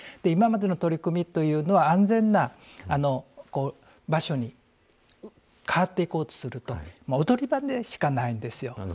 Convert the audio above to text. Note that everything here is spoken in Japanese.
今までの取り組みというのは安全な場所に変わっていこうとすると踊り場でしかないんですよ。